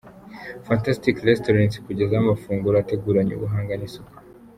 Fantastic Restaurant ikugezaho amafunguro ateguranye ubuhanga n'isuku.